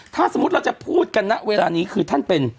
ถ้าสมมุติเราจะพูดกันนะเวลานี้คือท่านเป็น